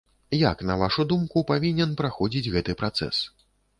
Як, на вашу думку, павінен праходзіць гэты працэс?